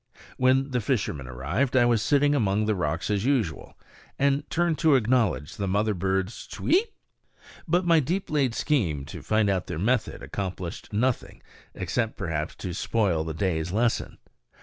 When the fishermen arrived I was sitting among the rocks as usual, and turned to acknowledge the mother bird's Ch'wee? But my deep laid scheme to find out their method accomplished nothing; except, perhaps, to spoil the day's lesson.